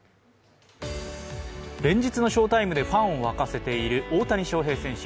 連日の翔タイムでファンをわかせている大谷翔平選手。